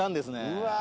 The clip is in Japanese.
うわ。